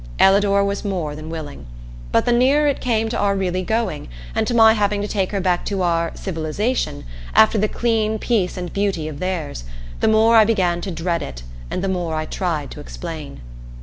Ellador was more than willing. But the nearer it came to our really going, and to my having to take her back to our "civilization," after the clean peace and beauty of theirs, the more I began to dread it, and the more I tried to explain.